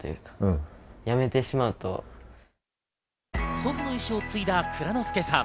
祖父の遺志を継いだ藏之輔さん。